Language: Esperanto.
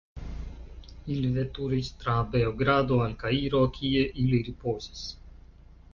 Ili veturis tra Beogrado al Kairo, kie ili ripozis.